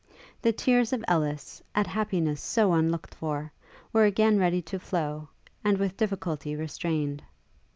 The tears of Ellis, at happiness so unlooked for, were again ready to flow, and with difficulty restrained.